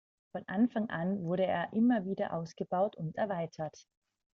Von Anfang an wurde er immer wieder ausgebaut und erweitert.